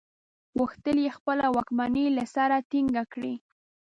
غوښتل یې خپله واکمني له سره ټینګه کړي.